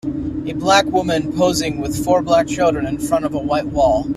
A black woman posing with four black children in front of a white wall.